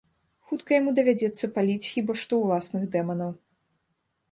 Хутка яму давядзецца паліць хіба што ўласных дэманаў.